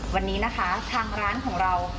วันนี้นะคะทางร้านของเรา